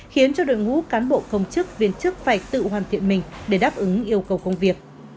khiến cho đội ngũ cán bộ công chức viên chức phải tự hoàn thiện mình để đáp ứng yêu cầu công việc